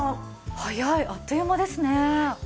早いあっという間ですね。